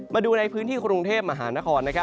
มาดูในพื้นที่กรุงเทพมหานคร